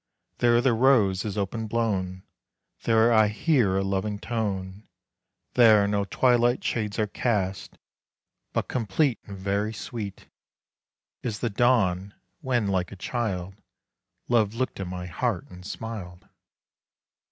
There the rose is open blown, There I hear a loving tone, There no twilight shades are cast; But complete And very sweet Is the dawn, when, like a child, Love looked in my heart and smiled.